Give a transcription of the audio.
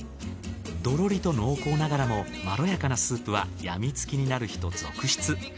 どろりと濃厚ながらもまろやかなスープはやみつきになる人続出。